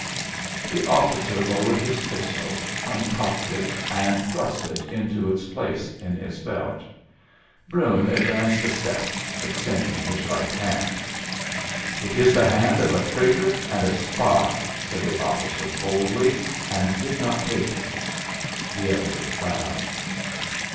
The officer lowered his pistol, uncocked it, and thrust it into its place in his belt. Brune advanced a step, extending his right hand. "It is the hand of a traitor and a spy," said the officer coldly, and did not take it. The other bowed.